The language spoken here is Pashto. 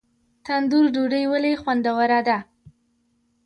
تندور ډوډۍ ولې خوندوره ده؟